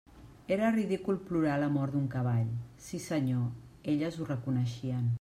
Era ridícul plorar la mort d'un cavall; sí senyor, elles ho reconeixien.